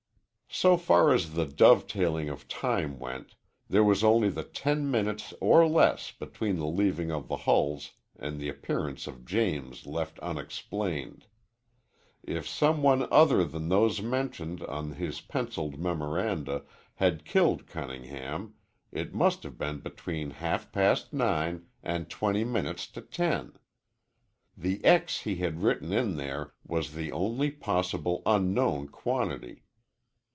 So far as the dovetailing of time went, there was only the ten minutes or less between the leaving of the Hulls and the appearance of James left unexplained. If some one other than those mentioned on his penciled memoranda had killed Cunningham, it must have been between half past nine and twenty minutes to ten. The X he had written in there was the only possible unknown quantity.